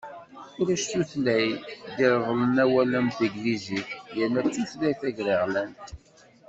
Ulac tutlayt i d-ireḍlen awalen am teglizit yerna d tutlayt tagraɣlant.